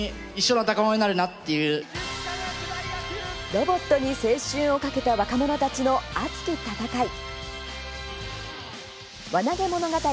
ロボットに青春をかけた若者たちの、熱き戦い。